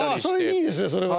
いいですねそれは。